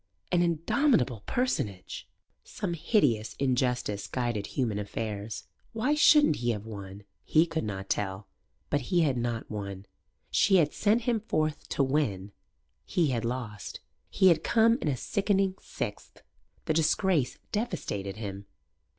An indomitable personage. Some hideous injustice guided human affairs. Why shouldn't he have won? He could not tell. But he had not won. She had sent him forth to win. He had lost. He had come in a sickening sixth. The disgrace devastated him.